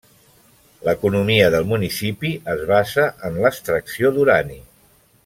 L'economia del municipi es basa en l'extracció d'urani.